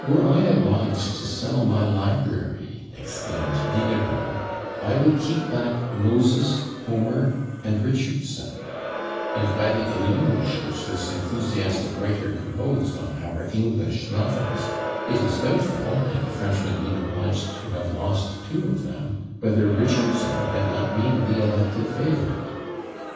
"Were I obliged to sell my library," exclaimed Diderot, "I would keep back Moses, Homer, and Richardson;" and, by the éloge which this enthusiastic writer composed on our English novelist, it is doubtful, had the Frenchman been obliged to have lost two of them, whether Richardson had not been the elected favourite.